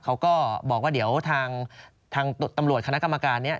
เขาก็บอกว่าเดี๋ยวทางตำรวจคณะกรรมการนี้